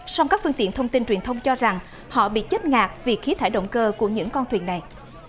song các phương tiện thông tin truyền thông cho rằng họ bị chết ngạc vì khí thải động cơ của những con thuyền này